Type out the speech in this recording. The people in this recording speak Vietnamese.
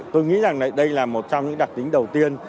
tôi nghĩ rằng đây là một trong những đặc tính đầu tiên